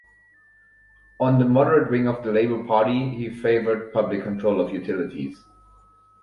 On the moderate wing of the Labour Party, he favoured public control of utilities.